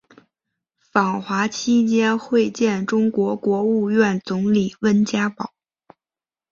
访华期间会见中国国务院总理温家宝。